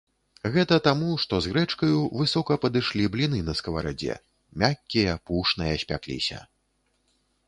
Гэта таму, што з грэчкаю, высока падышлі бліны на скаварадзе, мяккія, пушныя спякліся.